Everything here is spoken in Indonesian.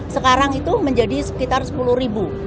sekarang itu menjadi sekitar sepuluh ribu